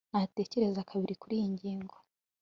Natekereza kabiri kuriyi ngingo